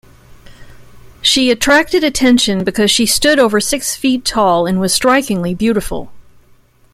She attracted attention because she stood over six feet tall and was strikingly beautiful.